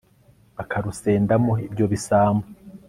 Bakarusendamo ibyo bisambo